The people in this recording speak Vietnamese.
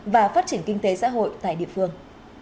và phát triển kinh tế xã hội tại địa phương